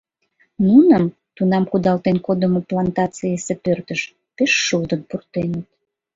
Нуным тунам кудалтен кодымо плантацийысе пӧртыш пеш шулдын пуртеныт.